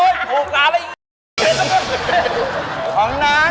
ถูกมากไหมคะไหน